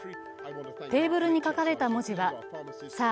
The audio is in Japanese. テーブルに書かれた文字はさあ